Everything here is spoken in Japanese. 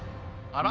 あら？